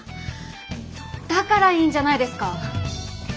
だからいいんじゃないですか！